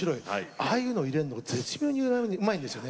ああいうのを入れるのが絶妙にうまいんですよね